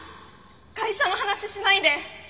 会社の話しないで！